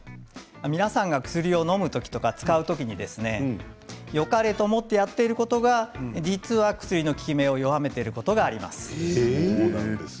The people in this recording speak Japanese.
皆さんが薬をのむときとか使うときによかれと思ってやっていることが実は薬の効き目を弱めていることがあります。